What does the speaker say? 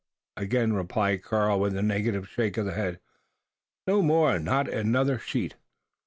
again replied Karl, with a negative shake of the head, "no more not another sheet!"